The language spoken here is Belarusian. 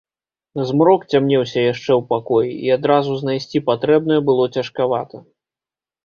Змрок цямнеўся яшчэ ў пакоі, і адразу знайсці патрэбнае было цяжкавата.